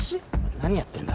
何やってんだ？